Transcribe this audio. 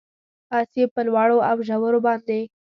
اس یې په لوړو اوژورو باندې،